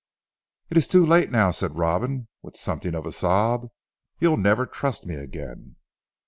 "It is too late now," said Robin with something of a sob, "you'll never trust me again."